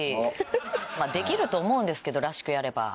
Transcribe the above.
できると思うんですけどらしくやれば。